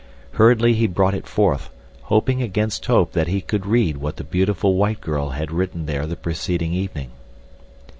Hurriedly he brought it forth, hoping against hope that he could read what the beautiful white girl had written there the preceding evening.